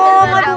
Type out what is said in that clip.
aduh kau belatan